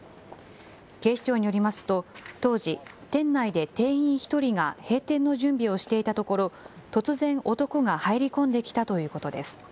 警視庁によりますと、当時、店内で店員１人が閉店の準備をしていたところ、突然、男が入り込んできたということです。